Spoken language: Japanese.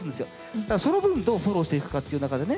ただその分どうフォローしていくかっていう中でね